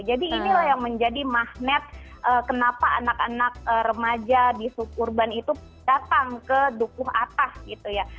jadi inilah yang menjadi magnet kenapa anak anak remaja di suburban itu datang ke dukuh atas gitu ya